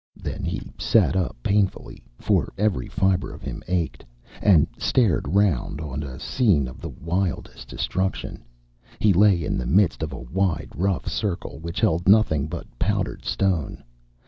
Then he sat up painfully, for every fiber of him ached, and stared round on a scene of the wildest destruction. He lay in the midst of a wide, rough circle which held nothing but powdered stone.